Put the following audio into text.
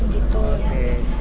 tidak ada pemberitahuan